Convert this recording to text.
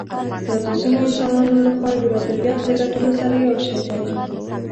دا د ځینو انسانانو له خوا د ربوبیت له ګټلو سره یو شی دی.